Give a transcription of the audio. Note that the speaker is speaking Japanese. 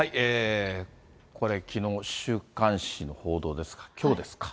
これ、きのう週刊誌の報道ですか、きょうですか。